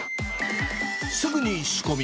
すぐに仕込み。